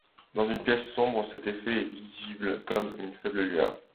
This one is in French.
Dans une pièce sombre, cet effet est visible comme une faible lueur.